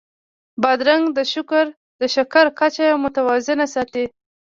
بادرنګ د شکر کچه متوازنه ساتي.